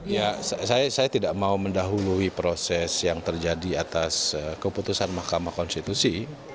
ya saya tidak mau mendahului proses yang terjadi atas keputusan mahkamah konstitusi